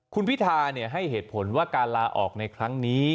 คุณพิธาริมเจริญรัฐให้เหตุผลว่าการลาออกในครั้งนี้